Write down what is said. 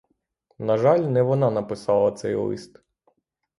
На жаль, не вона написала цей лист.